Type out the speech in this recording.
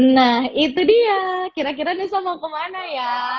nah itu dia kira kira nusa mau kemana ya